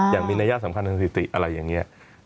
อย่างมีนัยสำคัญสรุปศรีอะไรอย่างนี้